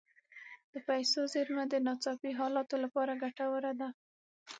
د پیسو زیرمه د ناڅاپي حالاتو لپاره ګټوره ده.